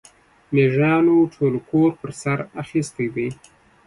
مېږيانو ټول کور پر سر اخيستی دی.